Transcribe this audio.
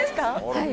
はい。